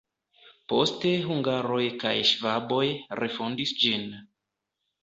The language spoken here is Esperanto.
Poste hungaroj kaj ŝvaboj refondis ĝin.